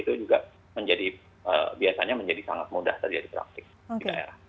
itu juga menjadi biasanya menjadi sangat mudah terjadi praktik di daerah